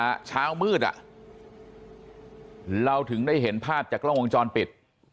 เช้ามืดอ่ะเราถึงได้เห็นภาพจากกล้องวงจรปิด